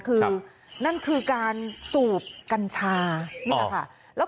คือนั่นคือการสูบกัญชานี่แหละค่ะแล้ว